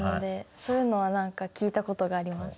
そういうのは何か聞いたことがあります。